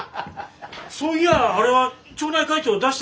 そういやあれは町内会長出したんだろ？